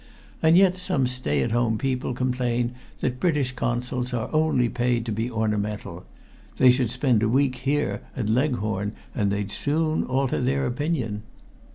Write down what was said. And yet some stay at home people complain that British consuls are only paid to be ornamental! They should spend a week here, at Leghorn, and they'd soon alter their opinion."